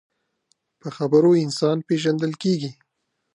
په خبرو انسان پیژندل کېږي